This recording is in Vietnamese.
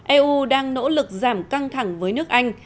eu đang nỗ lực giảm căng thẳng với nước anh